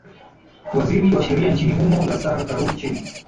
waziri wa sheria nchini humo lasar karur chebi